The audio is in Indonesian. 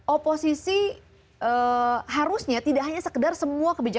oposisi harusnya tidak hanya sekedar semua kebijakan